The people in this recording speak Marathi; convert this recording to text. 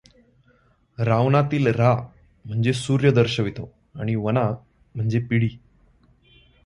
रावणामधील रा म्हणजे सूर्य दर्शवितो आणि वणा म्हणजे पिढी